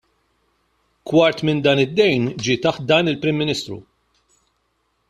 Kwart minn dan id-dejn ġie taħt dan il-Prim Ministru.